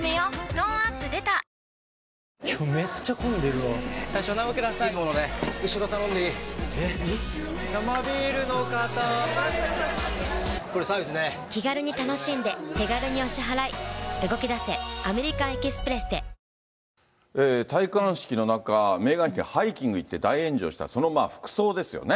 トーンアップ出た戴冠式の中、メーガン妃がハイキングに行って大炎上した、その服装ですよね。